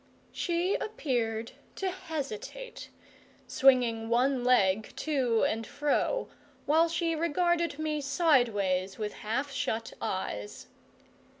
She appeared to hesitate, swinging one leg to and fro while she regarded me sideways with half shut eyes.